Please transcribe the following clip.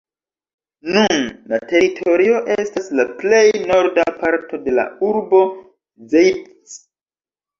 Nun la teritorio estas la plej norda parto de la urbo Zeitz.